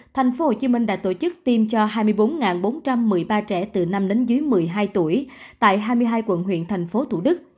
tp hcm đã tổ chức tiêm cho hai mươi bốn bốn trăm một mươi ba trẻ từ năm đến dưới một mươi hai tuổi tại hai mươi hai quận huyện thành phố thủ đức